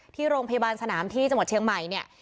ที่โรงพยาบาลสนามที่จังหวัดเชียงใหม่เนี่ย